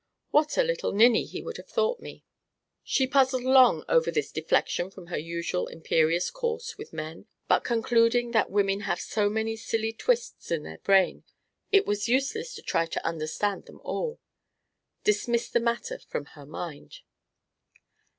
What a little ninny he would have thought me!" She puzzled long over this deflection from her usual imperious course with men, but concluding that women having so many silly twists in their brains, it was useless to try to understand them all, dismissed the matter from her mind.